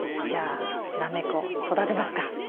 じゃあナメコ育てますか。